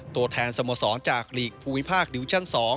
ตัวแทนสโมสรจากหลีกภูมิภาคดิวิชั่น๒